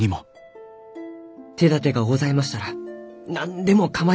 手だてがございましたら何でも構いません。